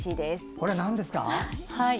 これ、なんですか？